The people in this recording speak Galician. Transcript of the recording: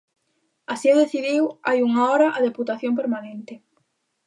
Así o decidiu hai unha hora a Deputación Permanente.